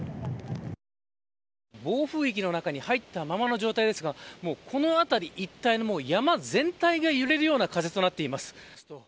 暴風域の中に入ったままの状態ですがこの辺り一帯、山全体が揺れるような風となっています。